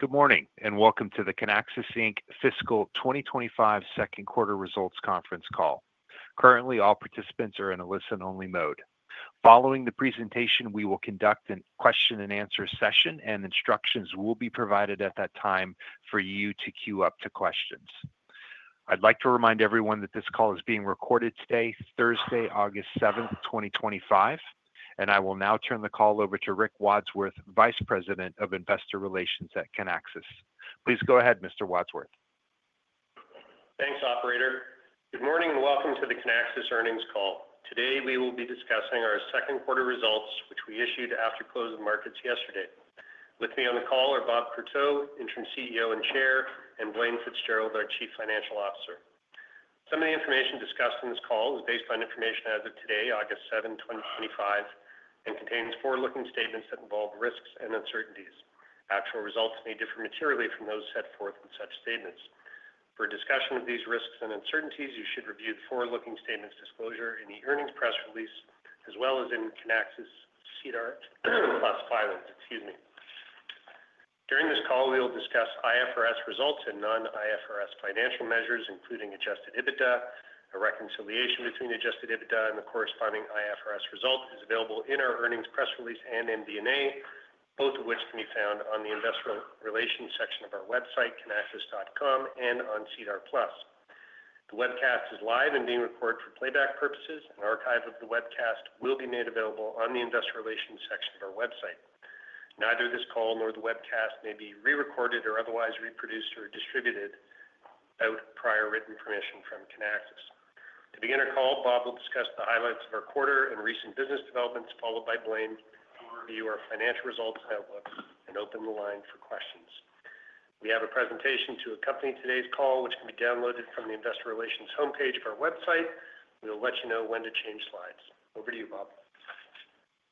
Good morning and welcome to the Kinaxis Inc Fiscal 2025 Second Quarter Results Conference Call. Currently, all participants are in a listen-only mode. Following the presentation, we will conduct a question-and-answer session, and instructions will be provided at that time for you to queue up to questions. I'd like to remind everyone that this call is being recorded today, Thursday, August 7, 2025. I will now turn the call over to Rick Wadsworth, Vice President of Investor Relations at Kinaxis. Please go ahead, Mr. Wadsworth. Thanks, Operator. Good morning and welcome to the Kinaxis earnings call. Today, we will be discussing our second quarter results, which we issued after close of markets yesterday. With me on the call are Bob Courteau, Interim CEO and Chair, and Blaine Fitzgerald, our Chief Financial Officer. Some of the information discussed in this call is based on information as of today, August 7, 2025, and contains forward-looking statements that involve risks and uncertainties. Actual results may differ materially from those set forth with such statements. For a discussion of these risks and uncertainties, you should review the forward-looking statements disclosure in the earnings press release, as well as in Kinaxis SEDAR+ filings. During this call, we will discuss IFRS results and non-IFRS financial measures, including adjusted EBITDA. A reconciliation between adjusted EBITDA and the corresponding IFRS result is available in our earnings press release and MD&A, both of which can be found on the Investor Relations section of our website, kinaxis.com, and on SEDAR+. The webcast is live and being recorded for playback purposes. An archive of the webcast will be made available on the Investor Relations section of our website. Neither this call nor the webcast may be rerecorded or otherwise reproduced or distributed without prior written permission from Kinaxis. To begin our call, Bob will discuss the highlights of our quarter and recent business developments, followed by Blaine, who will review our financial results, outlooks, and open the line for questions. We have a presentation to accompany today's call, which can be downloaded from the Investor Relations homepage of our website. We will let you know when to change slides. Over to you, Bob.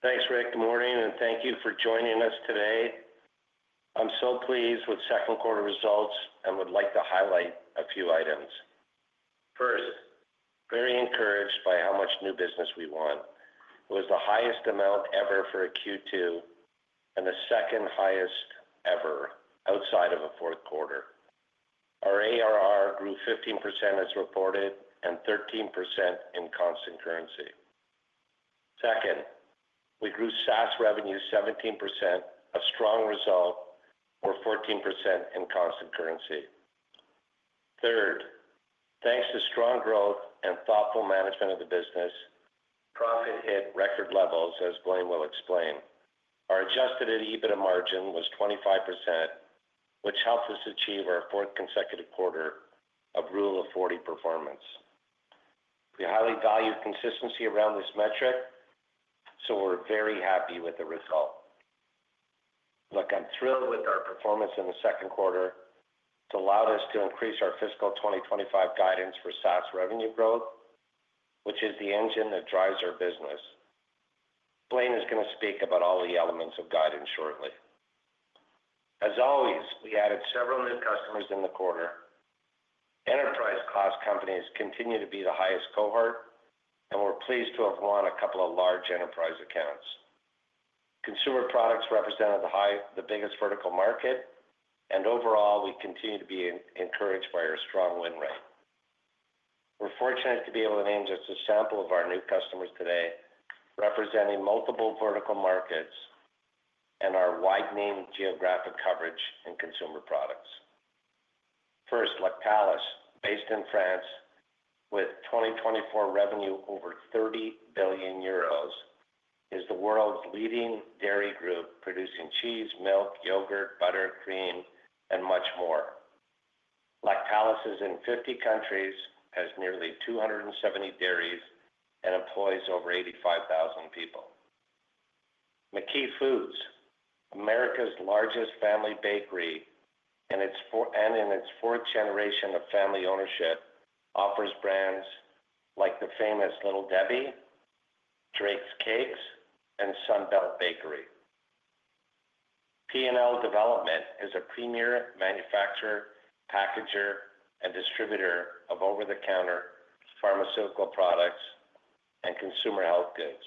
Thanks, Rick. Good morning, and thank you for joining us today. I'm so pleased with the second quarter results and would like to highlight a few items. First, very encouraged by how much new business we won. It was the highest amount ever for a Q2 and the second highest ever outside of a fourth quarter. Our ARR grew 15% as reported and 13% in constant currency. Second, we grew SaaS revenue 17%, a strong result, or 14% in constant currency. Third, thanks to strong growth and thoughtful management of the business, the profit hit record levels, as Blaine will explain. Our adjusted EBITDA margin was 25%, which helped us achieve our fourth consecutive quarter of Rule of 40 performance. We highly value consistency around this metric, so we're very happy with the result. I'm thrilled with our performance in the second quarter. It allowed us to increase our fiscal 2025 guidance for SaaS revenue growth, which is the engine that drives our business. Blaine is going to speak about all the elements of guidance shortly. As always, we added several new customers in the quarter. Enterprise class companies continue to be the highest cohort, and we're pleased to have won a couple of large enterprise accounts. Consumer products represented the biggest vertical market, and overall, we continue to be encouraged by our strong win rate. We're fortunate to be able to name just a sample of our new customers today, representing multiple vertical markets and our widening geographic coverage in consumer products. First, Lactalis based in France, with 2024 revenue over 30 billion euros, is the world's leading dairy group producing cheese, milk, yogurt, butter, cream, and much more. Lactalis is in 50 countries, has nearly 270 dairies, and employs over 85,000 people. McKee Foods, America's largest family bakery, and in its fourth generation of family ownership, offers brands like the famous Little Debbie, Drake's Cakes, and Sunbelt Bakery. P&L Development is a premier manufacturer, packager, and distributor of over-the-counter pharmaceutical products and consumer health goods.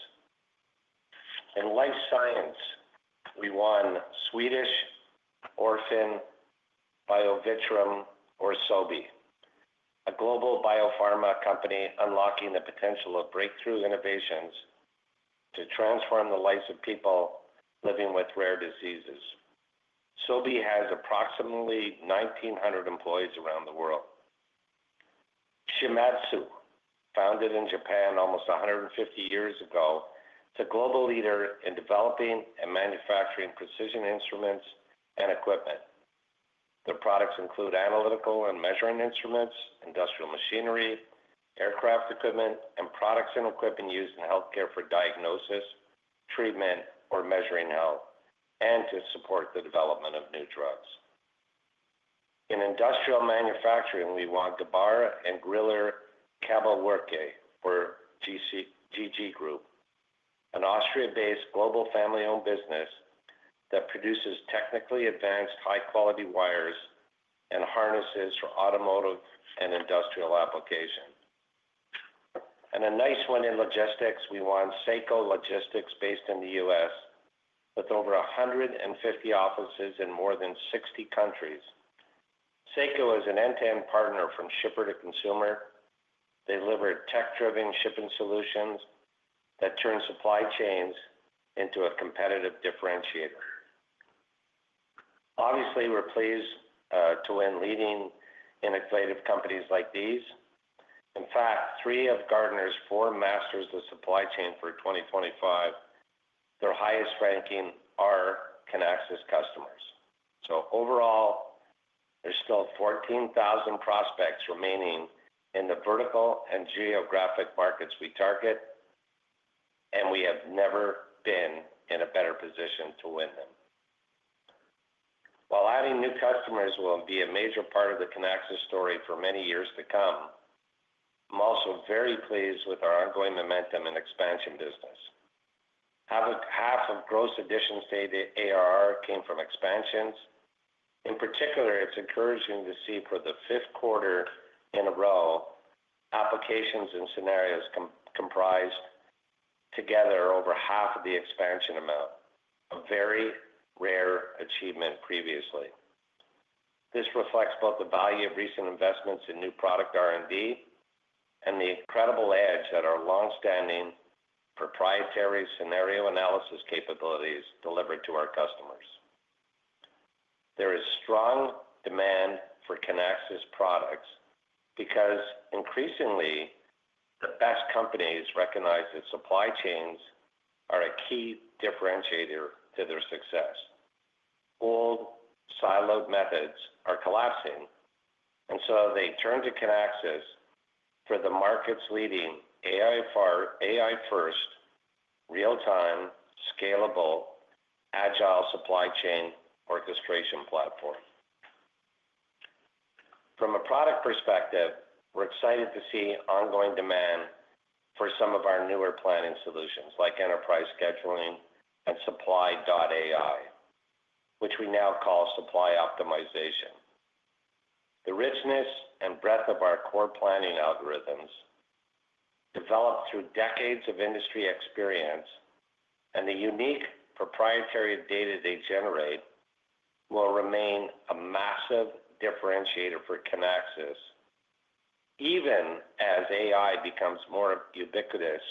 In life science, we won Sobi, a global biopharma company unlocking the potential of breakthrough innovations to transform the lives of people living with rare diseases. Sobi has approximately 1,900 employees around the world. Shimadzu, founded in Japan almost 150 years ago, is a global leader in developing and manufacturing precision instruments and equipment. Their products include analytical and measuring instruments, industrial machinery, aircraft equipment, and products and equipment used in healthcare for diagnosis, treatment, or measuring health, and to support the development of new drugs. In industrial manufacturing, we won the Bar and Griller Kabelwerke for GG Group, an Austria-based global family-owned business that produces technically advanced high-quality wires and harnesses for automotive and industrial applications. A nice one in logistics, we won SEKO Logistics based in the U.S., with over 150 offices in more than 60 countries. SEKO is an end-to-end partner from shipper to consumer. They deliver tech-driven shipping solutions that turn supply chains into a competitive differentiator. Obviously, we're pleased to win leading innovative companies like these. In fact, three of Gartner's four Masters of the Supply Chain for 2025, their highest ranking, are Kinaxis customers. Overall, there's still 14,000 prospects remaining in the vertical and geographic markets we target, and we have never been in a better position to win them. While adding new customers will be a major part of the Kinaxis story for many years to come, I'm also very pleased with our ongoing momentum in expansion business. Half of gross additions to ARR came from expansions. In particular, it's encouraging to see for the fifth quarter in a row, applications and scenarios comprised together over half of the expansion amount, a very rare achievement previously. This reflects both the value of recent investments in new product R&D and the incredible edge that our longstanding proprietary scenario analysis capabilities deliver to our customers. There is strong demand for Kinaxis products because increasingly, the best companies recognize that supply chains are a key differentiator to their success. Old siloed methods are collapsing, and they turn to Kinaxis for the market's leading AI-first, real-time, scalable, agile supply chain orchestration platform. From a product perspective, we're excited to see ongoing demand for some of our newer planning solutions like Enterprise Scheduling and Supply.ai, which we now call Supply Optimization. The richness and breadth of our core planning algorithms developed through decades of industry experience and the unique proprietary data they generate will remain a massive differentiator for Kinaxis, even as AI becomes more ubiquitous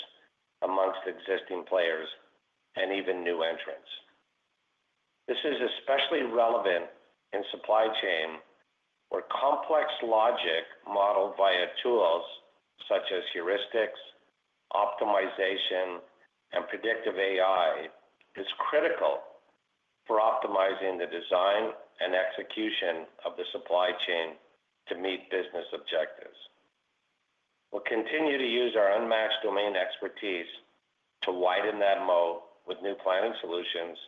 amongst existing players and even new entrants. This is especially relevant in supply chain where complex logic modeled via tools such as heuristics, optimization, and predictive AI is critical for optimizing the design and execution of the supply chain to meet business objectives. We'll continue to use our unmatched domain expertise to widen that moat with new planning solutions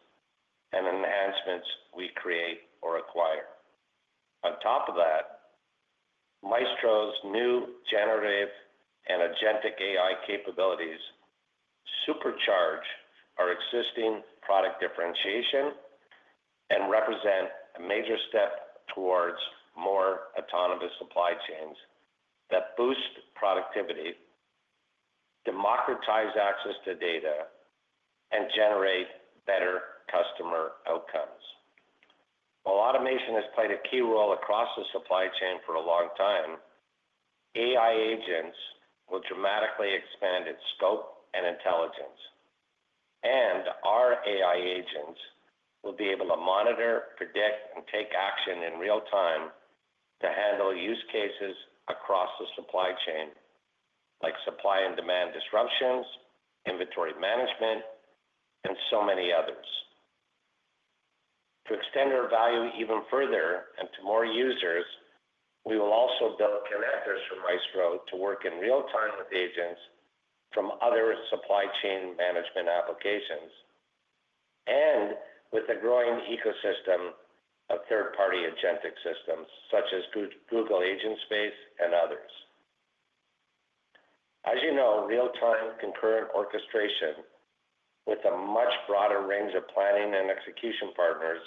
and enhancements we create or acquire. On top of that, Maestro's new generative and agentic AI capabilities supercharge our existing product differentiation and represent a major step towards more autonomous supply chains that boost productivity, democratize access to data, and generate better customer outcomes. While automation has played a key role across the supply chain for a long time, AI agents will dramatically expand its scope and intelligence. Our AI agents will be able to monitor, predict, and take action in real time to handle use cases across the supply chain, like supply and demand disruptions, inventory management, and so many others. To extend our value even further and to more users, we will also build connectors for Maestro to work in real time with agents from other supply chain management applications and with the growing ecosystem of third-party agentic systems such as Google Agent Space and others. As you know, real-time concurrent orchestration with a much broader range of planning and execution partners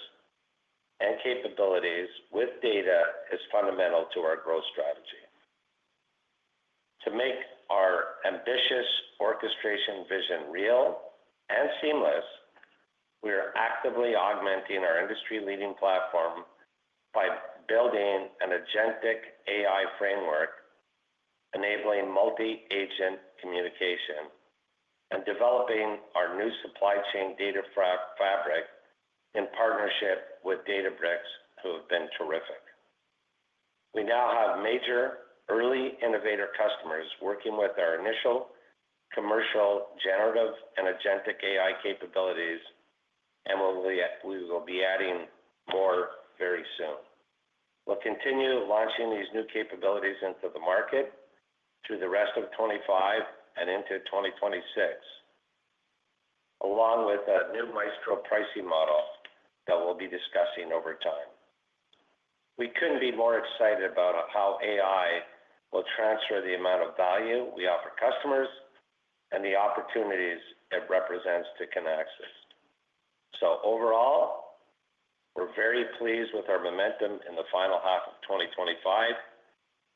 and capabilities with data is fundamental to our growth strategy. To make our ambitious orchestration vision real and seamless, we are actively augmenting our industry-leading platform by building an agentic AI framework, enabling multi-agent communication, and developing our new supply chain data fabric in partnership with Databricks, who have been terrific. We now have major early innovator customers working with our initial commercial generative and agentic AI capabilities, and we will be adding more very soon. We'll continue launching these new capabilities into the market through the rest of 2025 and into 2026, along with a new Maestro pricing model that we'll be discussing over time. We couldn't be more excited about how AI will transfer the amount of value we offer customers and the opportunities it represents to Kinaxis. Overall, we're very pleased with our momentum in the final half of 2025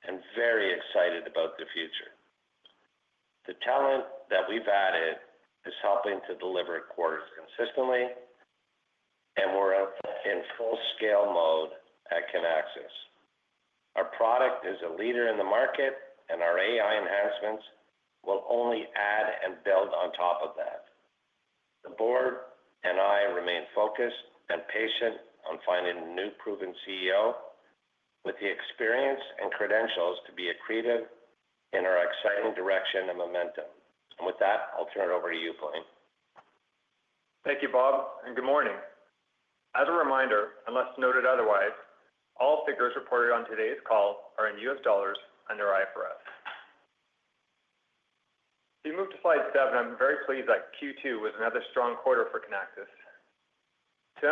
and very excited about the future. The talent that we've added is helping to deliver quarters consistently, and we're in full-scale mode at Kinaxis. Our product is a leader in the market, and our AI enhancements will only add and build on top of that. The board and I remain focused and patient on finding a new proven CEO with the experience and credentials to be accretive in our exciting direction and momentum. With that, I'll turn it over to you, Blaine. Thank you, Bob, and good morning. As a reminder, unless noted otherwise, all figures reported on today's call are in U.S. dollars under IFRS. If you move to slide seven, I'm very pleased that Q2 was another strong quarter for Kinaxis. To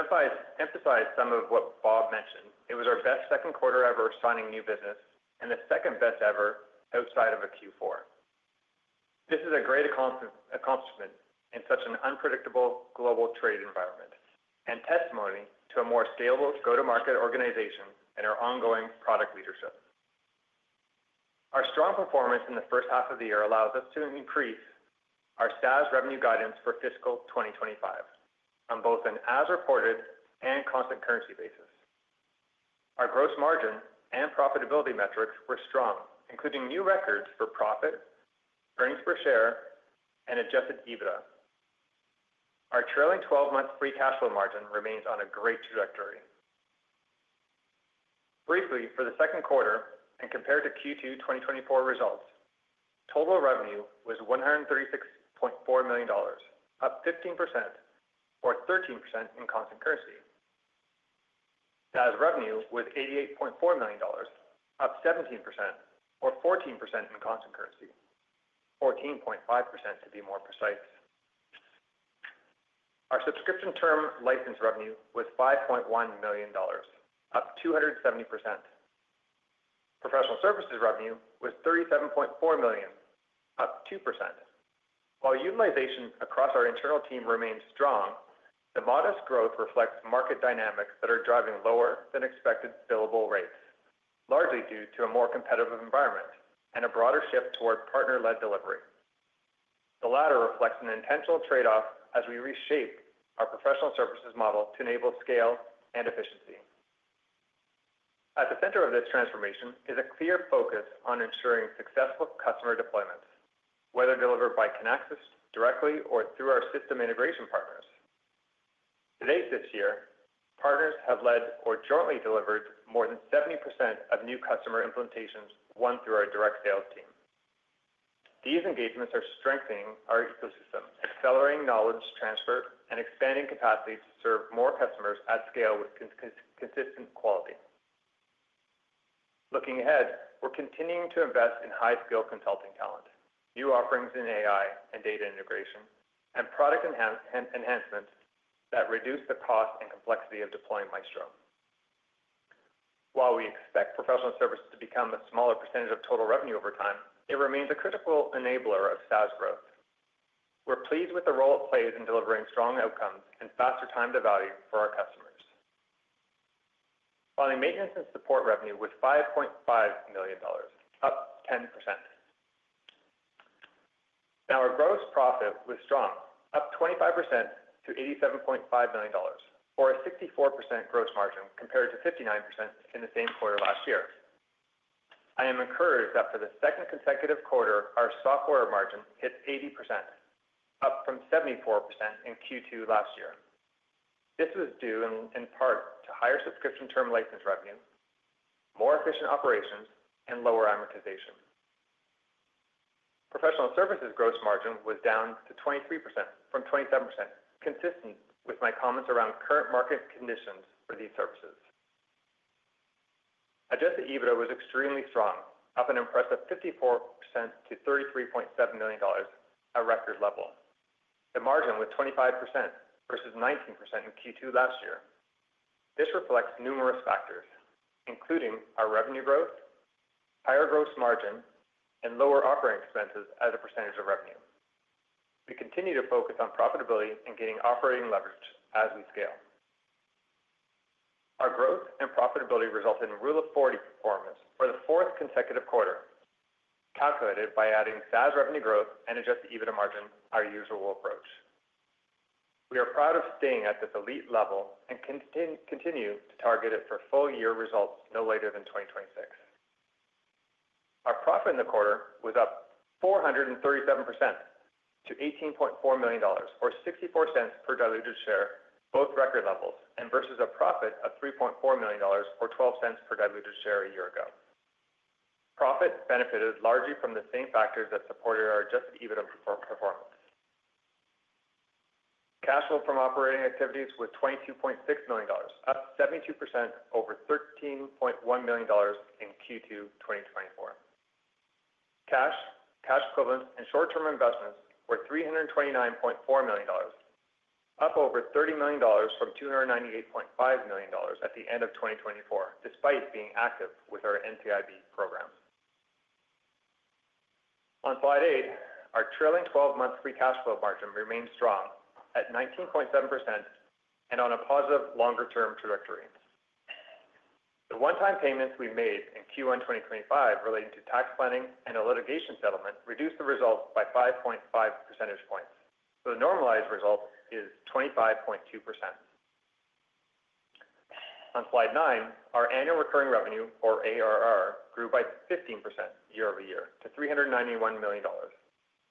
emphasize some of what Bob mentioned, it was our best second quarter ever signing new business, and the second best ever outside of a Q4. This is a great accomplishment in such an unpredictable global trade environment and testimony to a more scalable go-to-market organization and our ongoing product leadership. Our strong performance in the first half of the year allows us to increase our SaaS revenue guidance for fiscal 2025 on both an as-reported and constant currency basis. Our gross margin and profitability metrics were strong, including new records for profit, earnings per share, and adjusted EBITDA. Our trailing 12-month free cash flow margin remains on a great trajectory. Briefly, for the second quarter and compared to Q2 2024 results, total revenue was $136.4 million, up 15% or 13% in constant currency. SaaS revenue was $88.4 million, up 17% or 14% in constant currency, 14.5% to be more precise. Our subscription term license revenue was $5.1 million, up 270%. Professional services revenue was $37.4 million, up 2%. While utilization across our internal team remains strong, the modest growth reflects market dynamics that are driving lower than expected sellable rates, largely due to a more competitive environment and a broader shift toward partner-led delivery. The latter reflects an intentional trade-off as we reshaped our professional services model to enable scale and efficiency. At the center of this transformation is a clear focus on ensuring successful customer deployments, whether delivered by Kinaxis directly or through our system integration partners. To date this year, partners have led or jointly delivered more than 70% of new customer implementations won through our direct sales team. These engagements are strengthening our ecosystem, accelerating knowledge transfer, and expanding capacity to serve more customers at scale with consistent quality. Looking ahead, we're continuing to invest in high-skill consulting talent, new offerings in AI and data integration, and product enhancements that reduce the cost and complexity of deploying Maestro. While we expect professional services to become a smaller percentage of total revenue over time, it remains a critical enabler of SaaS growth. We're pleased with the role it plays in delivering strong outcomes and faster time to value for our customers. Maintenance and support revenue was $5.5 million, up 10%. Our gross profit was strong, up 25% to $87.5 million, or a 64% gross margin compared to 59% in the same quarter last year. I am encouraged that for the second consecutive quarter, our software margin hit 80%, up from 74% in Q2 last year. This was due in part to higher subscription term license revenue, more efficient operations, and lower amortization. Professional services gross margin was down to 23% from 27%, consistent with my comments around current market conditions for these services. Adjusted EBITDA was extremely strong, up an impressive 54% to $33.7 million, a record level. The margin was 25% versus 19% in Q2 last year. This reflects numerous factors, including our revenue growth, higher gross margin, and lower operating expenses as a percentage of revenue. We continue to focus on profitability and gaining operating leverage as we scale. Our growth and profitability resulted in Rule of 40 performance for the fourth consecutive quarter, calculated by adding SaaS revenue growth and adjusted EBITDA margin, our usual approach. We are proud of staying at this elite level and continue to target it for full-year results no later than 2026. Our profit in the quarter was up 437% to $18.4 million, or $0.64 per diluted share, both record levels, and versus a profit of $3.4 million, or $0.12 per diluted share a year ago. Profit benefited largely from the same factors that supported our adjusted EBITDA performance. Cash flow from operating activities was $22.6 million, up 72% over $13.1 million in Q2 2024. Cash, cash equivalents, and short-term investments were $329.4 million, up over $30 million from $298.5 million at the end of 2024, despite being active with our NTIB programs. On slide eight, our trailing 12-month free cash flow margin remains strong at 19.7% and on a positive longer-term trajectory. The one-time payments we made in Q1 2025 relating to tax planning and a litigation settlement reduced the result by 5.5 percentage points. The normalized result is 25.2%. On slide nine, our annual recurring revenue, or ARR, grew by 15% year over year to $391 million,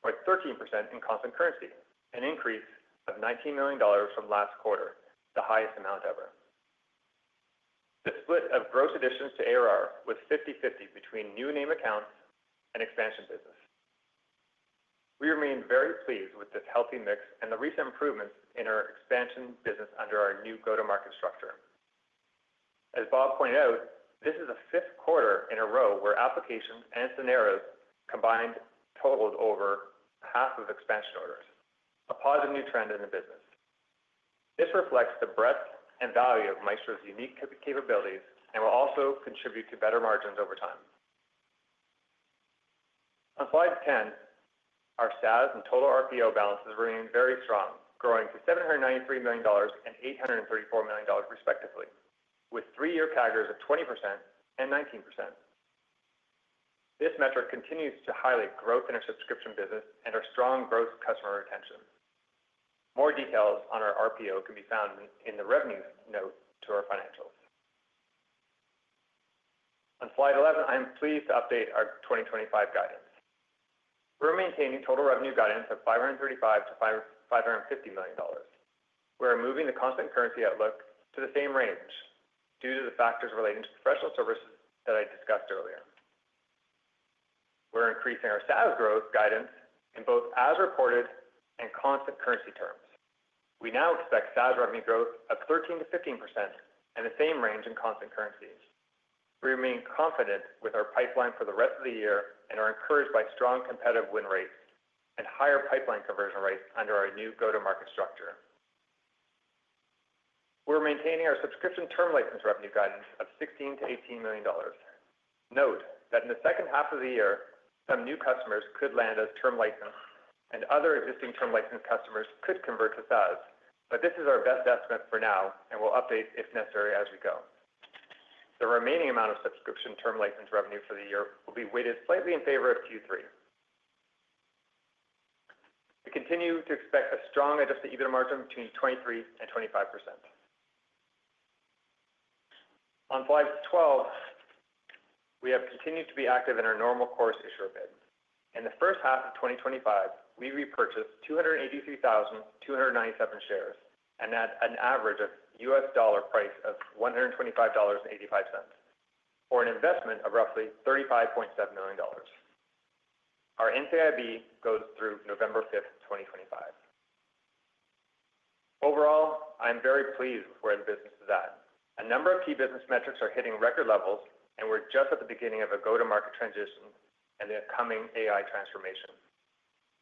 with 13% in constant currency, an increase of $19 million from last quarter, the highest amount ever. The split of gross additions to ARR was 50/50 between new name accounts and expansion business. We remain very pleased with this healthy mix and the recent improvements in our expansion business under our new go-to-market structure. As Bob pointed out, this is the fifth quarter in a row where applications and scenarios combined totaled over half of expansion orders, a positive new trend in the business. This reflects the breadth and value of Maestro's unique capabilities and will also contribute to better margins over time. On slide 10, our SaaS and total RPO balances remain very strong, growing to $793 million and $834 million, respectively, with three-year CAGRs of 20% and 19%. This metric continues to highlight growth in our subscription business and our strong gross customer retention. More details on our RPO can be found in the revenue note to our financials. On slide 11, I am pleased to update our 2025 guidance. We're maintaining total revenue guidance of $535 million-$550 million. We're moving the constant currency outlook to the same range due to the factors relating to professional services that I discussed earlier. We're increasing our SaaS growth guidance in both as-reported and constant currency terms. We now expect SaaS revenue growth of 13%-15% and the same range in constant currencies. We remain confident with our pipeline for the rest of the year and are encouraged by strong competitive win rates and higher pipeline conversion rates under our new go-to-market structure. We're maintaining our subscription term license revenue guidance of $16 million-$18 million. Note that in the second half of the year, some new customers could land as term license, and other existing term license customers could convert to SaaS, but this is our best estimate for now, and we'll update if necessary as we go. The remaining amount of subscription term license revenue for the year will be weighted slightly in favor of Q3. We continue to expect a strong adjusted EBITDA margin between 23%-25%. On slide 12, we have continued to be active in our normal course issuable bids. In the first half of 2025, we repurchased 283,297 shares and had an average U.S. dollar price of $125.85 for an investment of roughly $35.7 million. Our NTIB goes through November 5, 2025. Overall, I'm very pleased with where the business is at. A number of key business metrics are hitting record levels, and we're just at the beginning of a go-to-market transition and the upcoming AI transformation.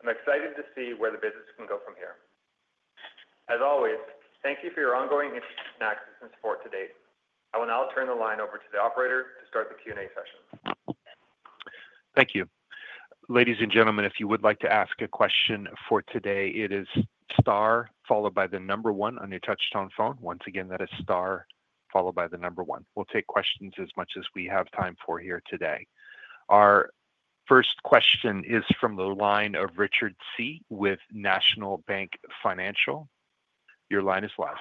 I'm excited to see where the business can go from here. As always, thank you for your ongoing interest in Kinaxis and support to date. I will now turn the line over to the operator to start the Q&A session. Thank you. Ladies and gentlemen, if you would like to ask a question for today, it is star followed by the number one on your touch-tone phone. Once again, that is star followed by the number one. We'll take questions as much as we have time for here today. Our first question is from the line of Richard Tse with National Bank Financial. Your line is live.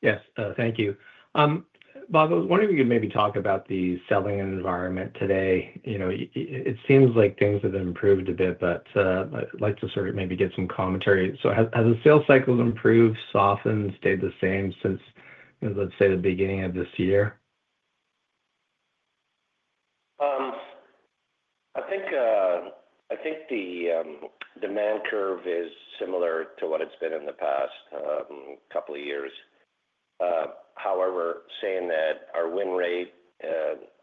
Yes, thank you. Bob, I was wondering if you could maybe talk about the selling environment today. It seems like things have improved a bit, but I'd like to sort of maybe get some commentary. Has the sales cycle improved, softened, or stayed the same since, let's say, the beginning of this year? I think the demand curve is similar to what it's been in the past couple of years. However, saying that, our win rate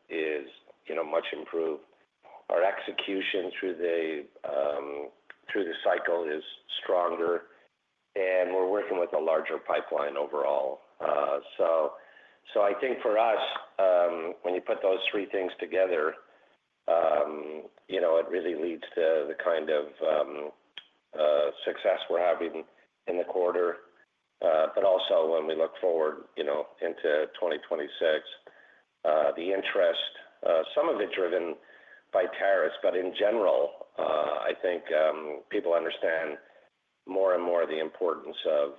is much improved, our execution through the cycle is stronger, and we're working with a larger pipeline overall. I think for us, when you put those three things together, it really leads to the kind of success we're having in the quarter. Also, when we look forward into 2026, the interest, some of it driven by tariffs, but in general, I think people understand more and more the importance of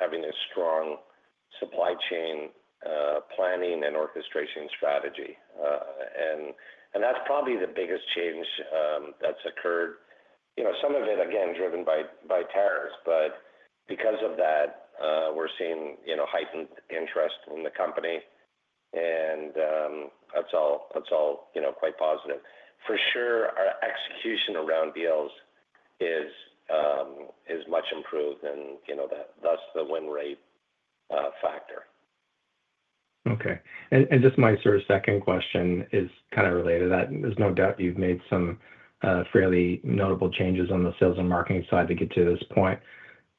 having a strong supply chain planning and orchestration strategy. That's probably the biggest change that's occurred. Some of it, again, driven by tariffs, but because of that, we're seeing heightened interest in the company, and that's all quite positive. For sure, our execution around deals is much improved, and thus the win rate factor. Okay. Just my sort of second question is kind of related to that. There's no doubt you've made some fairly notable changes on the sales and marketing side to get to this point.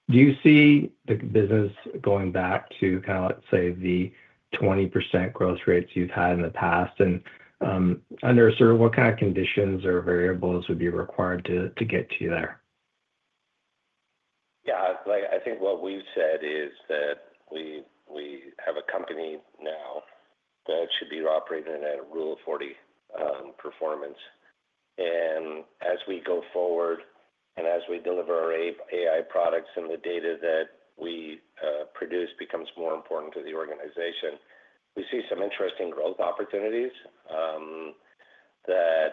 Do you see the business going back to kind of, let's say, the 20% growth rates you've had in the past? Under sort of what kind of conditions or variables would be required to get you there? Yeah, I think what we've said is that we have a company now that should be operating in a Rule of 40 performance. As we go forward and as we deliver our AI products and the data that we produce becomes more important to the organization, we see some interesting growth opportunities that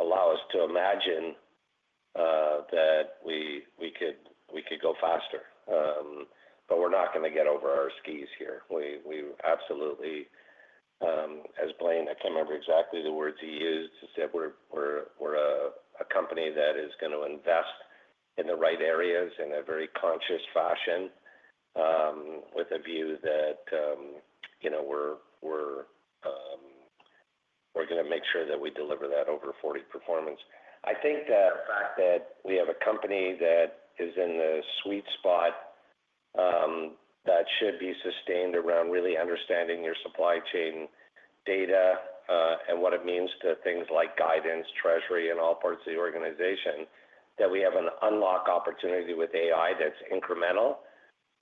allow us to imagine that we could go faster. We're not going to get over our skis here. We absolutely, as Blaine, I can't remember exactly the words he used, said we're a company that is going to invest in the right areas in a very conscious fashion with a view that we're going to make sure that we deliver that over 40% performance. I think the fact that we have a company that is in the sweet spot that should be sustained around really understanding your supply chain data and what it means to things like guidance, treasury, and all parts of the organization, that we have an unlock opportunity with AI that's incremental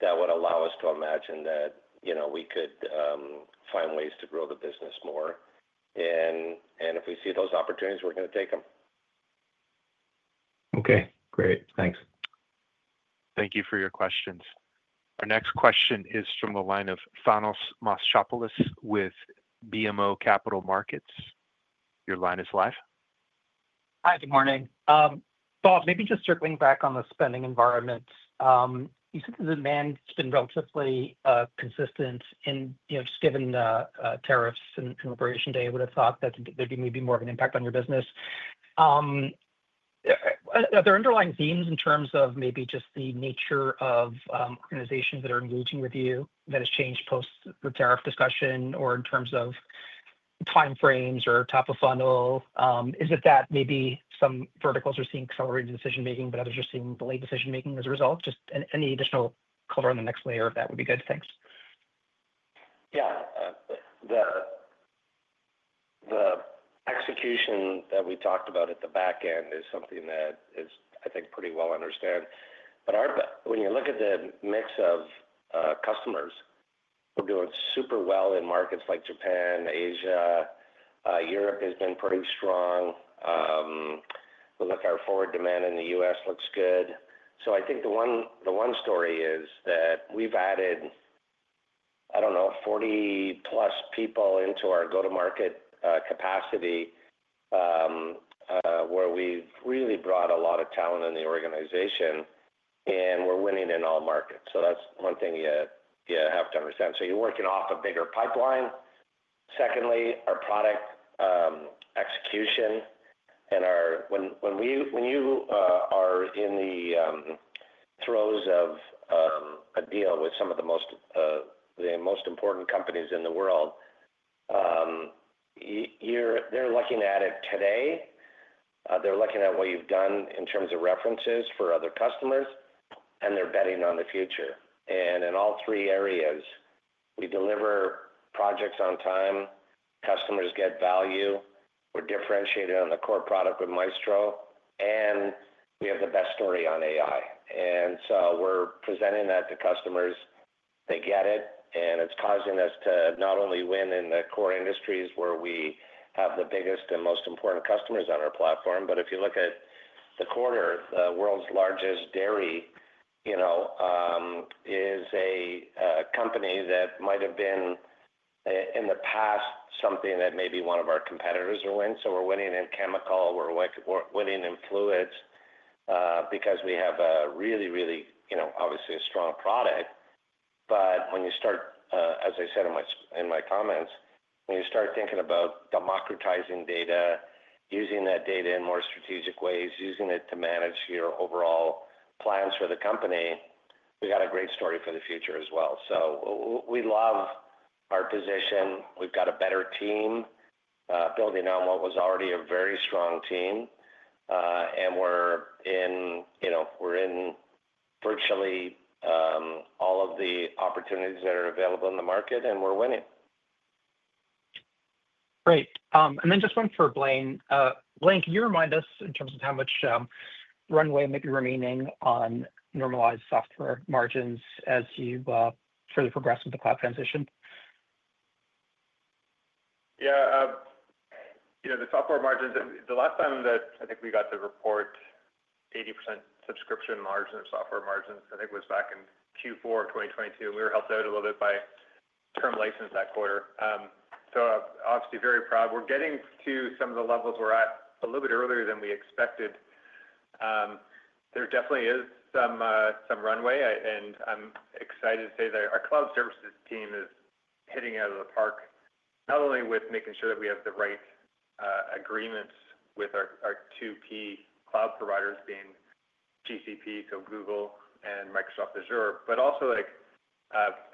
that would allow us to imagine that, you know, we could find ways to grow the business more. If we see those opportunities, we're going to take them. Okay, great. Thanks. Thank you for your questions. Our next question is from the line of Thanos Moschopoulos with BMO Capital Markets. Your line is live. Hi, good morning. Bob, maybe just circling back on the spending environment. You said the demand has been relatively consistent, just given the tariffs and Liberation Day. I would have thought that there'd be maybe more of an impact on your business. Are there underlying themes in terms of maybe just the nature of organizations that are engaging with you that has changed post-tariff discussion or in terms of time frames or top of funnel? Is it that maybe some verticals are seeing accelerated decision-making, but others are seeing delayed decision-making as a result? Any additional color on the next layer of that would be good. Thanks. Yeah. The execution that we talked about at the back end is something that is, I think, pretty well understood. When you look at the mix of customers who are doing super well in markets like Japan, Asia, Europe has been pretty strong. We look at our forward demand in the U.S., looks good. I think the one story is that we've added, I don't know, 40+ people into our go-to-market capacity where we've really brought a lot of talent in the organization, and we're winning in all markets. That's one thing you have to understand. You're working off a bigger pipeline. Secondly, our product execution and our, when you are in the throes of a deal with some of the most important companies in the world, they're looking at it today. They're looking at what you've done in terms of references for other customers, and they're betting on the future. In all three areas, we deliver projects on time. Customers get value. We're differentiated on the core product with Maestro, and we have the best story on AI. We're presenting that to customers. They get it, and it's causing us to not only win in the core industries where we have the biggest and most important customers on our platform, but if you look at the quarter, the world's largest dairy, you know, is a company that might have been, in the past, something that maybe one of our competitors would win. We're winning in chemical. We're winning in fluids because we have a really, really, you know, obviously a strong product. When you start, as I said in my comments, when you start thinking about democratizing data, using that data in more strategic ways, using it to manage your overall plans for the company, we got a great story for the future as well. We love our position. We've got a better team, building on what was already a very strong team, and we're in, you know, we're in virtually all of the opportunities that are available in the market, and we're winning. Great. Just one for Blaine. Blaine, can you remind us in terms of how much runway may be remaining on normalized software margins as you surely progress with the cloud transition? Yeah. You know, the software margins, the last time that I think we got the report, 80% subscription margin of software margins, I think it was back in Q4 of 2022. We were helped out a little bit by term license that quarter. Obviously, very proud. We're getting to some of the levels we're at a little bit earlier than we expected. There definitely is some runway, and I'm excited to say that our cloud services team is hitting out of the park, not only with making sure that we have the right agreements with our two key cloud providers being GCP, so Google, and Microsoft Azure, but also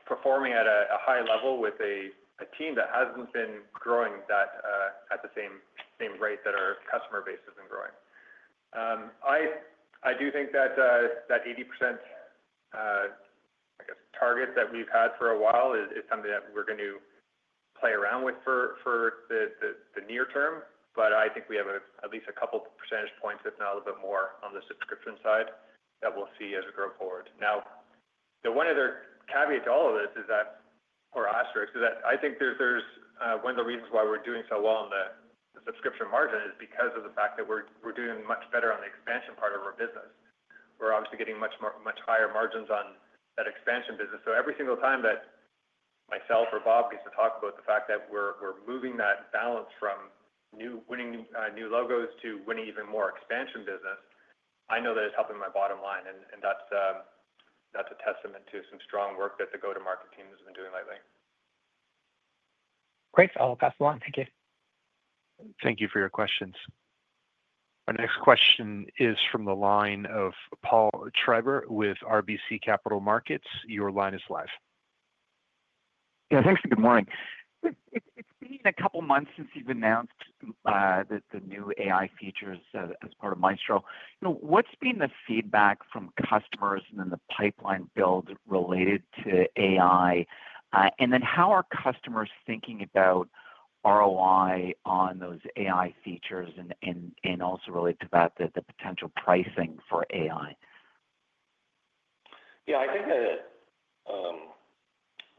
performing at a high level with a team that hasn't been growing at the same rate that our customer base has been growing. I do think that 80%, I guess, target that we've had for a while is something that we're going to play around with for the near term. I think we have at least a couple percentage points, if not a little bit more, on the subscription side that we'll see as we grow forward. Now, the one other caveat to all of this is that, or asterisk, is that I think one of the reasons why we're doing so well on the subscription margin is because of the fact that we're doing much better on the expansion part of our business. We're obviously getting much higher margins on that expansion business. Every single time that myself or Bob gets to talk about the fact that we're moving that balance from winning new logos to winning even more expansion business, I know that it's helping my bottom line. That's a testament to some strong work that the go-to-market team has been doing lately. Great. I'll pass it along. Thank you. Thank you for your questions. Our next question is from the line of Paul Treiber with RBC Capital Markets. Your line is live. Yeah, thanks. Good morning. It's been a couple of months since you've announced the new AI features as part of Maestro. You know, what's been the feedback from customers and then the pipeline build related to AI? How are customers thinking about ROI on those AI features and also related to that, the potential pricing for AI? Yeah, I think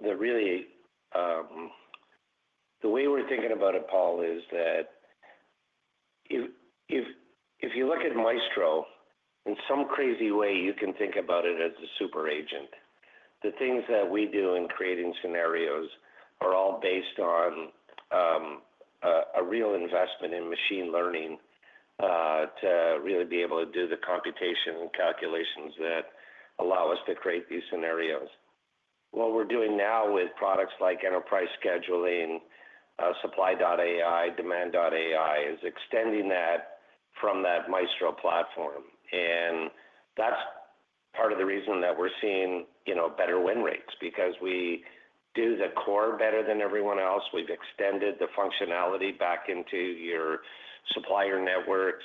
that really, the way we're thinking about it, Paul, is that if you look at Maestro, in some crazy way, you can think about it as a super agent. The things that we do in creating scenarios are all based on a real investment in machine learning, to really be able to do the computation and calculations that allow us to create these scenarios. What we're doing now with products like Enterprise Scheduling, Supply Optimization, Demand.ai is extending that from that Maestro platform. That's part of the reason that we're seeing better win rates because we do the core better than everyone else. We've extended the functionality back into your supplier networks.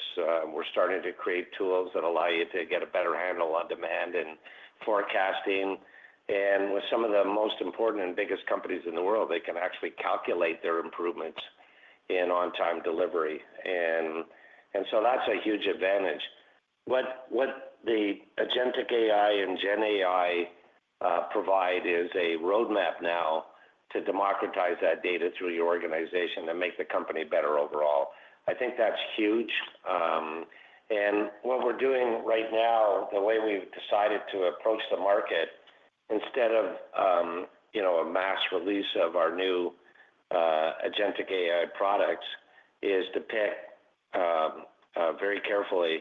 We're starting to create tools that allow you to get a better handle on demand and forecasting. With some of the most important and biggest companies in the world, they can actually calculate their improvements in on-time delivery. That's a huge advantage. What the agentic AI and generative AI provide is a roadmap now to democratize that data through your organization and make the company better overall. I think that's huge. What we're doing right now, the way we've decided to approach the market, instead of a mass release of our new agentic AI products, is to pick very carefully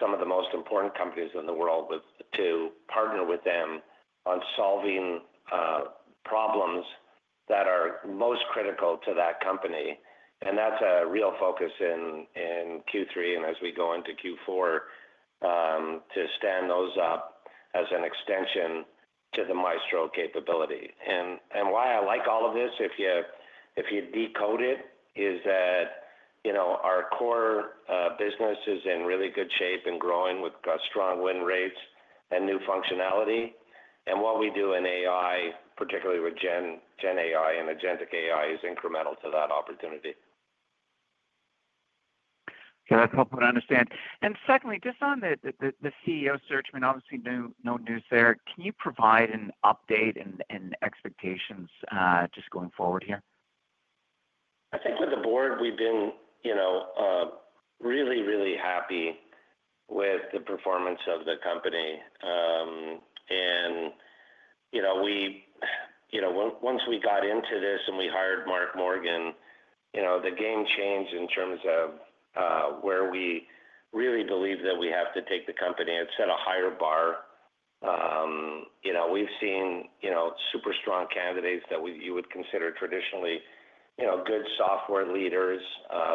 some of the most important companies in the world to partner with them on solving problems that are most critical to that company. That's a real focus in Q3 and as we go into Q4 to stand those up as an extension to the Maestro capability. Why I like all of this, if you decode it, is that our core business is in really good shape and growing with strong win rates and new functionality. What we do in AI, particularly with generative AI and agentic AI, is incremental to that opportunity. That's helpful to understand. Secondly, just on the CEO search, obviously no news there. Can you provide an update and expectations going forward here? I think for the board, we've been really, really happy with the performance of the company. Once we got into this and we hired Mark Morgan, the game changed in terms of where we really believe that we have to take the company and set a higher bar. We've seen super strong candidates that you would consider traditionally good software leaders,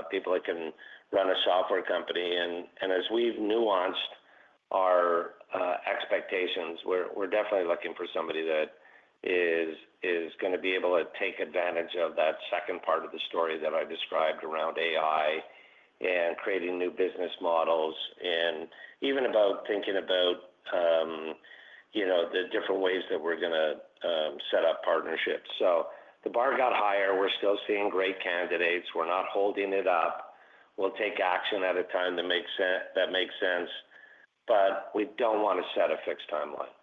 people that can run a software company. As we've nuanced our expectations, we're definitely looking for somebody that is going to be able to take advantage of that second part of the story that I described around AI and creating new business models and even about thinking about the different ways that we're going to set up partnerships. The bar got higher. We're still seeing great candidates. We're not holding it up. We'll take action at a time that makes sense, but we don't want to set a fixed timeline.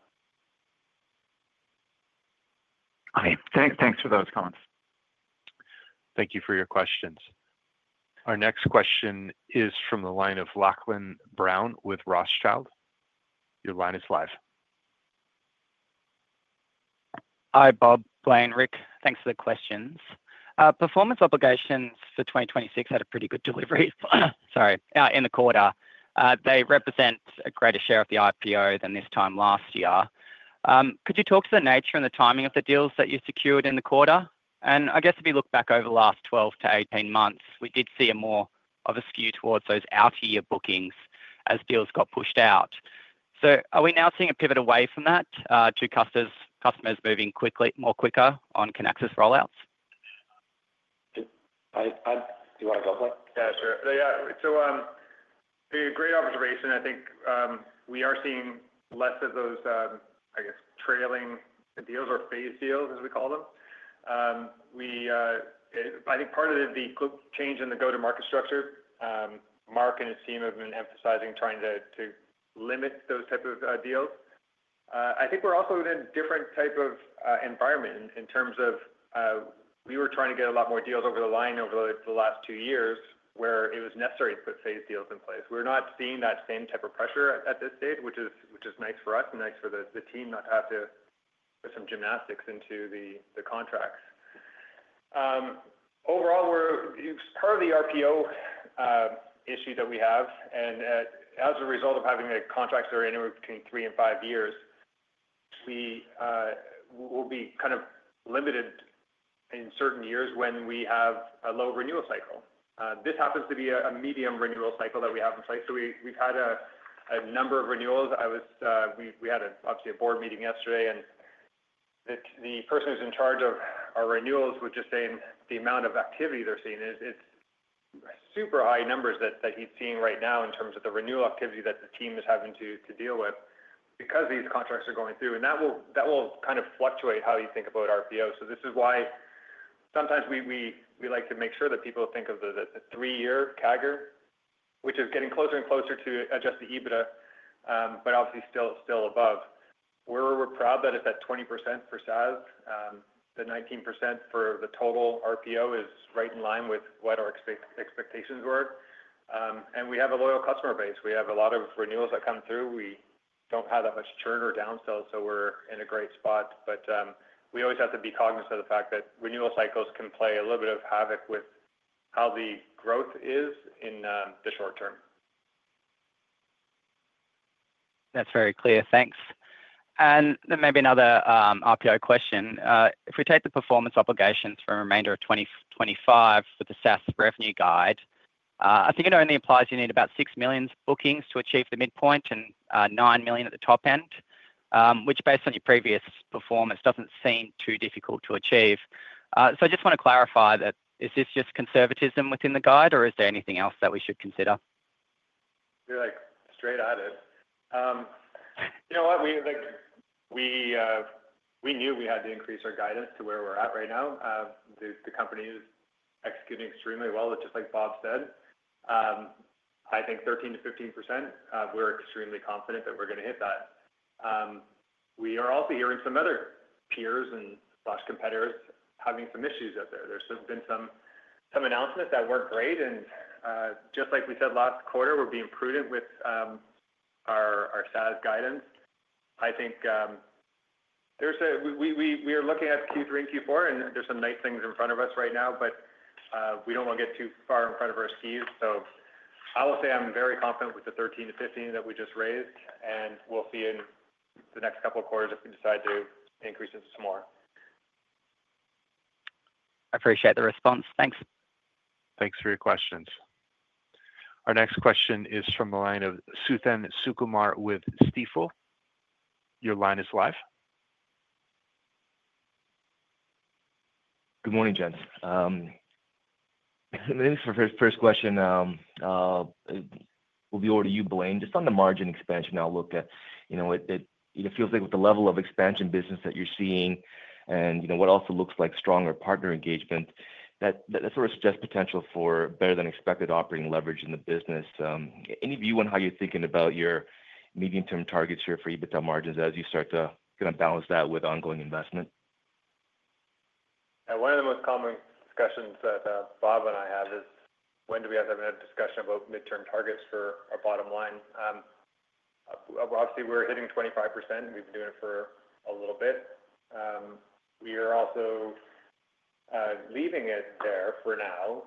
Thank you for those comments. Thank you for your questions. Our next question is from the line of Lachlan Brown with Rothschild. Your line is live. Hi, Bob, Blaine, Rick. Thanks for the questions. Performance obligations for 2026 had a pretty good delivery in the quarter. They represent a greater share of the IPO than this time last year. Could you talk to the nature and the timing of the deals that you secured in the quarter? I guess if you look back over the last 12-18 months, we did see more of a skew towards those out-of-year bookings as deals got pushed out. Are we now seeing a pivot away from that to customers moving quickly, more quicker on Kinaxis rollouts? Do you want to go? Yeah. Yeah. We agreed on the reason. I think we are seeing less of those, I guess, trailing deals or phased deals, as we call them. I think part of the change in the go-to-market structure, Mark and his team have been emphasizing trying to limit those types of deals. I think we're also in a different type of environment in terms of we were trying to get a lot more deals over the line over the last two years where it was necessary to put phased deals in place. We're not seeing that same type of pressure at this stage, which is nice for us and nice for the team not to have to put some gymnastics into the contracts. Overall, we're part of the RPO issue that we have. As a result of having contracts that are anywhere between three and five years, we will be kind of limited in certain years when we have a low renewal cycle. This happens to be a medium renewal cycle that we have in place. We've had a number of renewals. We had obviously a board meeting yesterday, and the person who's in charge of our renewals was just saying the amount of activity they're seeing. It's super high numbers that he's seeing right now in terms of the renewal activity that the team is having to deal with because these contracts are going through. That will kind of fluctuate how you think about RPO. This is why sometimes we like to make sure that people think of the three-year CAGR, which is getting closer and closer to adjusted EBITDA, but obviously still above. We're proud that it's at 20% for SaaS, the 19% for the total RPO is right in line with what our expectations were. We have a loyal customer base. We have a lot of renewals that come through. We don't have that much churn or downsell, so we're in a great spot. We always have to be cognizant of the fact that renewal cycles can play a little bit of havoc with how the growth is in the short term. That's very clear. Thanks. There may be another RPO question. If we take the performance obligations for the remainder of 2025 with the SaaS revenue guide, I think it only applies you need about $6 million bookings to achieve the midpoint and $9 million at the top end, which based on your previous performance doesn't seem too difficult to achieve. I just want to clarify that, is this just conservatism within the guide, or is there anything else that we should consider? You're straight at it. You know what? We knew we had to increase our guidance to where we're at right now. The company is executing extremely well, which is like Bob said. I think 13%-15%, we're extremely confident that we're going to hit that. We are also hearing some other peers and competitors having some issues up there. There have been some announcements that weren't great. Just like we said last quarter, we're being prudent with our SaaS guidance. I think we are looking at Q3 and Q4, and there are some nice things in front of us right now, but we don't want to get too far in front of our skis. I will say I'm very confident with the 13%-15% that we just raised, and we'll see in the next couple of quarters if we decide to increase it some more. I appreciate the response. Thanks. Thanks for your questions. Our next question is from the line of Suthan Sukumar with Stifel. Your line is live. Good morning, gents. For the first question, it will be over to you, Blaine. Just on the margin expansion, I'll look at, you know, it feels like with the level of expansion business that you're seeing and what also looks like stronger partner engagement, that sort of suggests potential for better than expected operating leverage in the business. Any view on how you're thinking about your medium-term targets here for EBITDA margins as you start to kind of balance that with ongoing investment? One of the most common discussions that Bob and I have is when do we have to have a discussion about midterm targets for our bottom line? Obviously, we're hitting 25%, and we've been doing it for a little bit. We are also leaving it there for now,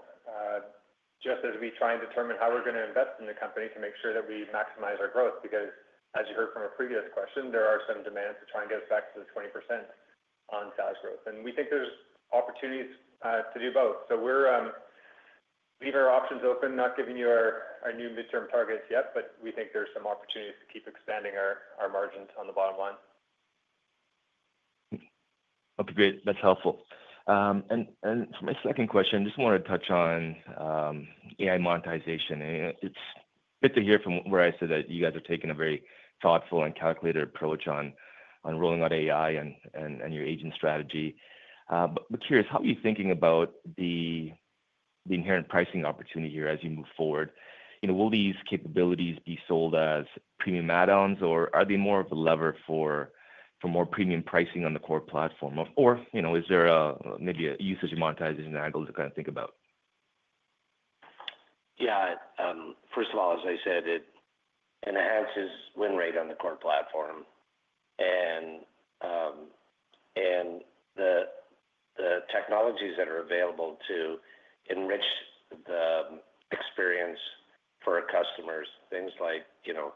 just as we try and determine how we're going to invest in the company to make sure that we maximize our growth. As you heard from a previous question, there are some demands to try and get us back to the 20% on SaaS growth. We think there's opportunities to do both. We're leaving our options open, not giving you our new midterm targets yet, but we think there's some opportunities to keep expanding our margins on the bottom line. Okay, great. That's helpful. For my second question, I just want to touch on AI monetization. It's good to hear from where I sit that you guys are taking a very thoughtful and calculated approach on rolling out AI and your agentic strategy. Curious, how are you thinking about the inherent pricing opportunity here as you move forward? Will these capabilities be sold as premium add-ons, or are they more of a lever for more premium pricing on the core platform? Is there maybe a usage and monetization angle to kind of think about? Yeah. First of all, as I said, it enhances win rate on the core platform. The technologies that are available to enrich the experience for our customers, things like, you know,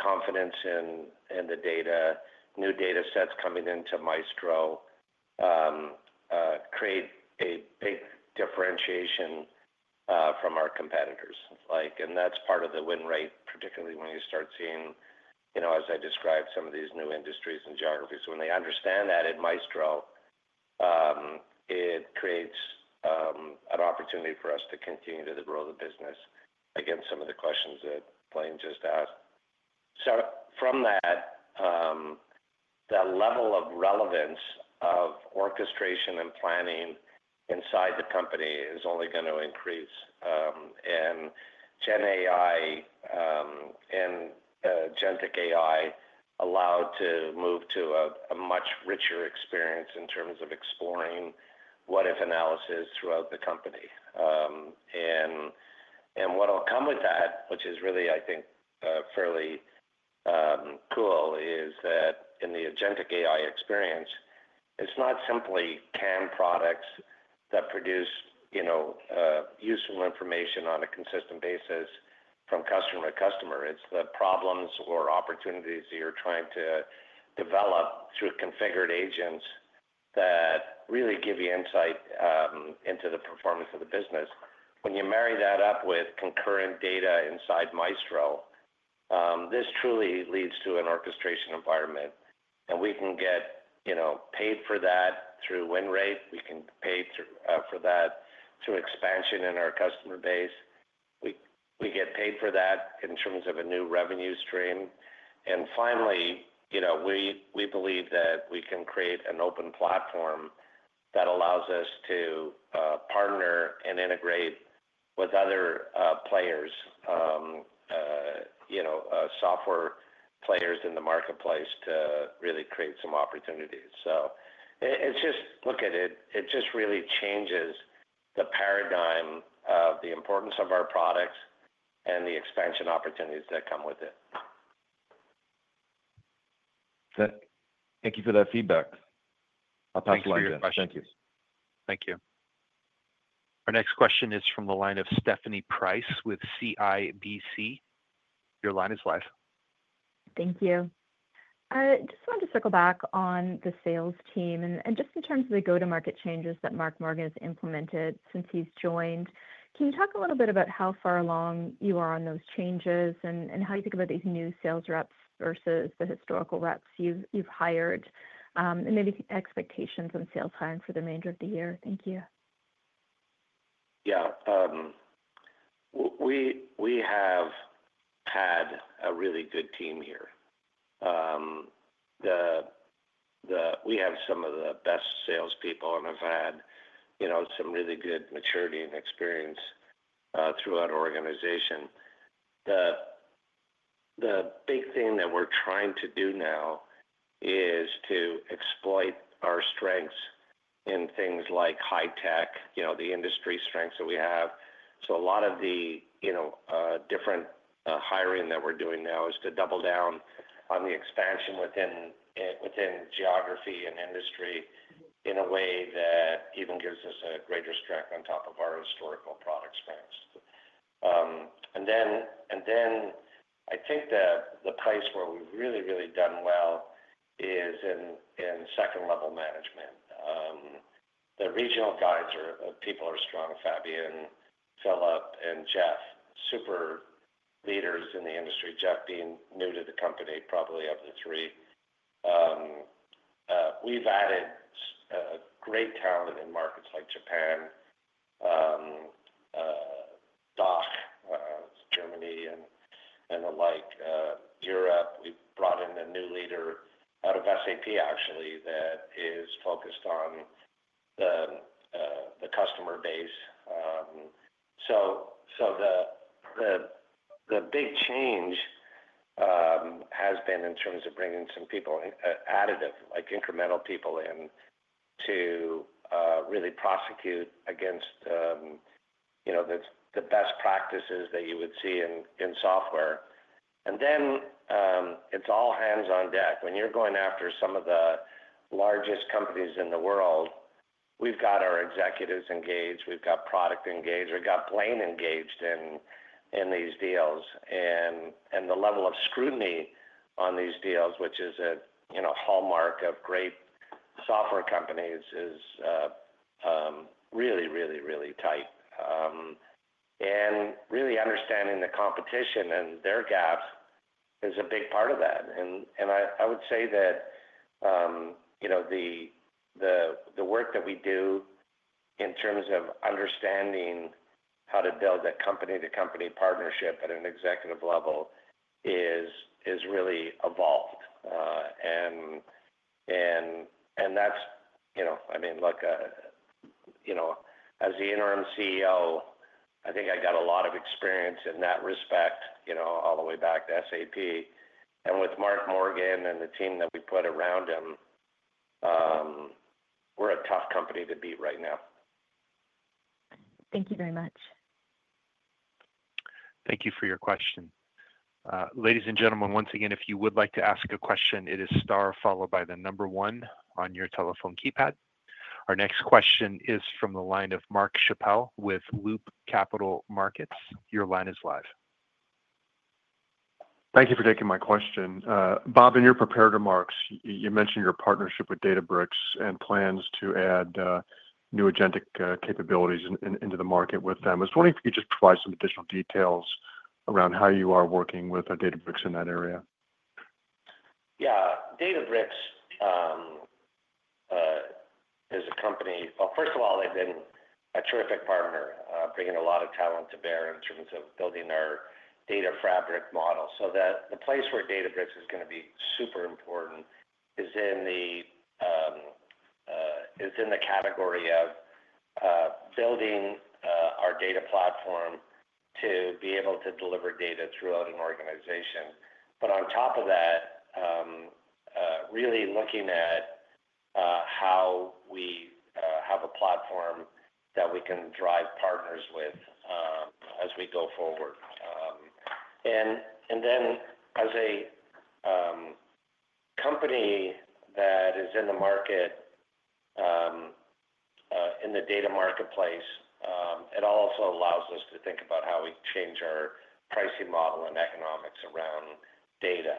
confidence in the data, new data sets coming into Maestro, create a big differentiation from our competitors. That's part of the win rate, particularly when you start seeing, you know, as I described, some of these new industries and geographies. When they understand that at Maestro, it creates an opportunity for us to continue to grow the business against some of the questions that Blaine just asked. From that, the level of relevance of orchestration and planning inside the company is only going to increase. GenAI and agentic AI allow to move to a much richer experience in terms of exploring what-if analysis throughout the company. What will come with that, which is really, I think, fairly cool, is that in the agentic AI experience, it's not simply canned products that produce, you know, useful information on a consistent basis from customer to customer. It's the problems or opportunities that you're trying to develop through configured agents that really give you insight into the performance of the business. When you marry that up with concurrent data inside Maestro, this truly leads to an orchestration environment. We can get, you know, paid for that through win rate. We can pay for that through expansion in our customer base. We get paid for that in terms of a new revenue stream. Finally, you know, we believe that we can create an open platform that allows us to partner and integrate with other players, you know, software players in the marketplace to really create some opportunities. It just really changes the paradigm of the importance of our products and the expansion opportunities that come with it. Thank you for that feedback. I'll pass it back. Thank you. Thank you. Our next question is from the line of Stephanie Price with CIBC. Your line is live. Thank you. I just wanted to circle back on the sales team and just in terms of the go-to-market changes that Mark Morgan has implemented since he's joined. Can you talk a little bit about how far along you are on those changes and how you think about these new sales reps versus the historical reps you've hired, and maybe expectations on sales plan for the remainder of the year? Thank you. Yeah. We have had a really good team here. We have some of the best salespeople and have had some really good maturity and experience throughout our organization. The big thing that we're trying to do now is to exploit our strengths in things like high tech, the industry strengths that we have. A lot of the different hiring that we're doing now is to double down on the expansion within geography and industry in a way that even gives us a greater strength on top of our historical product spans. I think the place where we've really, really done well is in second-level management. The regional guides are people are strong: Fabian, Philip, and Jeff, super leaders in the industry. Jeff being new to the company, probably of the three. We've added a great talent in markets like Japan, DACH, Germany, and the like. Europe, we've brought in a new leader out of SAP, actually, that is focused on the customer base. The big change has been in terms of bringing some people additive, like incremental people in to really prosecute against the best practices that you would see in software. It's all hands on deck. When you're going after some of the largest companies in the world, we've got our executives engaged. We've got product engaged. We've got Blaine engaged in these deals. The level of scrutiny on these deals, which is a hallmark of great software companies, is really, really, really tight. Really understanding the competition and their gaps is a big part of that. I would say that the work that we do in terms of understanding how to build a company-to-company partnership at an executive level is really evolved. That's, I mean, as the Interim CEO, I think I got a lot of experience in that respect, all the way back to SAP. With Mark Morgan and the team that we put around him, we're a tough company to beat right now. Thank you very much. Thank you for your question. Ladies and gentlemen, once again, if you would like to ask a question, it is star followed by the number one on your telephone keypad. Our next question is from the line of Mark Schappel with Loop Capital Markets. Your line is live. Thank you for taking my question. Bob, in your prepared remarks, you mentioned your partnership with Databricks and plans to add new agentic capabilities into the market with them. I was wondering if you could just provide some additional details around how you are working with Databricks in that area. Yeah. Databricks is a company, well, first of all, they've been a terrific partner, bringing a lot of talent to bear in terms of building our data fabric model. The place where Databricks is going to be super important is in the category of building our data platform to be able to deliver data throughout an organization. On top of that, really looking at how we have a platform that we can drive partners with as we go forward. As a company that is in the market, in the data marketplace, it also allows us to think about how we change our pricing model and economics around data.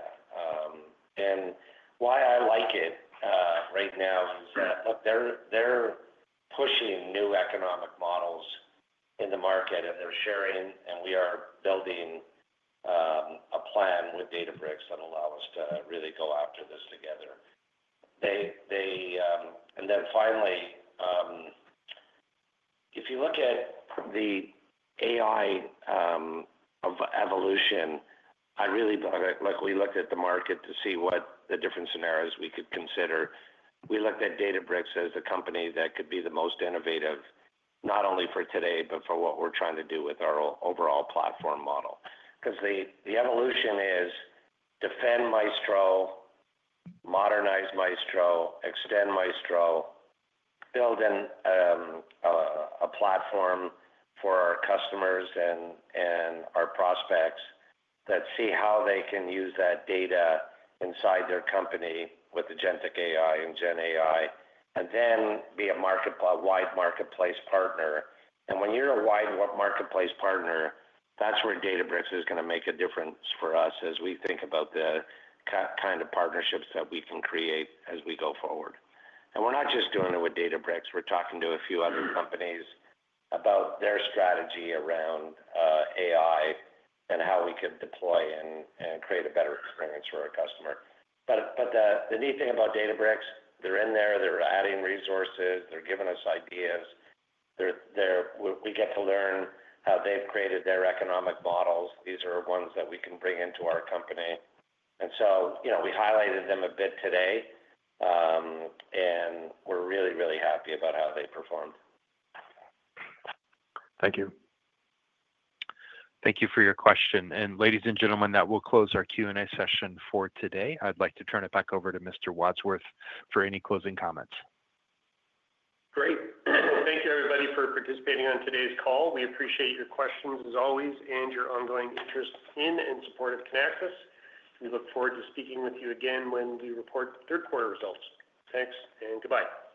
Why I like it right now is that they're pushing new economic models in the market and they're sharing, and we are building a plan with Databricks that allows us to really go after this together. Finally, if you look at the AI evolution, I'd really like we looked at the market to see what the different scenarios we could consider. We looked at Databricks as the company that could be the most innovative, not only for today, but for what we're trying to do with our overall platform model. The evolution is defend Maestro, modernize Maestro, extend Maestro, build in a platform for our customers and our prospects that see how they can use that data inside their company with agentic AI and generative AI, and then be a wide marketplace partner. When you're a wide marketplace partner, that's where Databricks is going to make a difference for us as we think about the kind of partnerships that we can create as we go forward. We're not just doing it with Databricks. We're talking to a few other companies about their strategy around AI and how we could deploy and create a better experience for our customer. The neat thing about Databricks, they're in there, they're adding resources, they're giving us ideas. We get to learn how they've created their economic models. These are ones that we can bring into our company. We highlighted them a bit today, and we're really, really happy about how they perform. Thank you. Thank you for your question. Ladies and gentlemen, that will close our Q&A session for today. I'd like to turn it back over to Mr. Wadsworth for any closing comments. Great. Thank you, everybody, for participating on today's call. We appreciate your questions as always and your ongoing interest in and support of Kinaxis. We look forward to speaking with you again when we report the third quarter results. Thanks and goodbye.